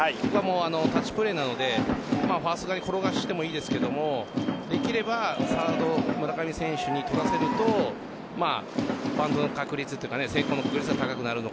タッチプレーなのでファースト側に転がしてもいいですけどもできればサード・村上選手に捕らせると成功の確率は高くなると。